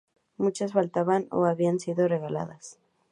Muchas faltaban o habían sido regaladas.